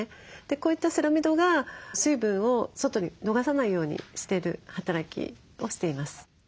こういったセラミドが水分を外に逃さないようにしてる働きをしています。